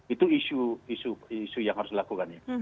itu isu yang harus dilakukannya